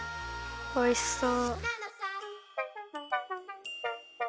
おいしそう。